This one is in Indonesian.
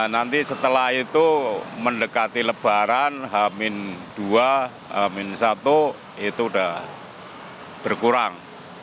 nanti setelah itu mendekati lebaran h dua h satu itu sudah berkurang